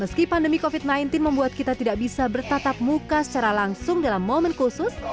meski pandemi covid sembilan belas membuat kita tidak bisa bertatap muka secara langsung dalam momen khusus